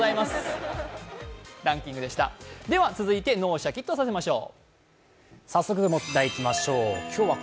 続いて、脳をシャキッとさせましょう。